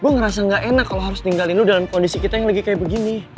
gue ngerasa gak enak kalau harus tinggalin lo dalam kondisi kita yang lagi kayak begini